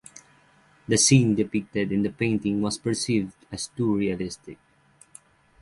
The scene depicted in the painting was perceived as too realistic.